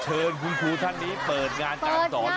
เชิญคุณครูท่านนี้เปิดงานการสอน